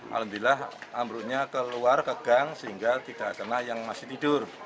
alhamdulillah ambruknya keluar ke gang sehingga tidak kena yang masih tidur